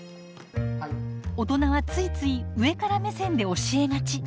大人はついつい上から目線で教えがち。